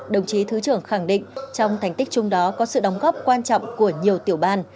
đồng chí thứ trưởng khẳng định trong thành tích chung đó có sự đóng góp quan trọng của nhiều tiểu ban